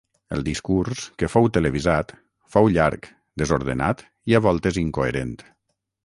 El discurs, que fou televisat, fou llarg, desordenat i a voltes incoherent.